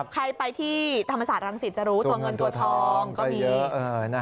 ใครไปที่ธรรมศาสตรังสิตจะรู้ตัวเงินตัวทองก็มีเยอะ